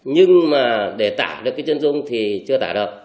nhưng mà để tả được cái chân rung thì chưa tả được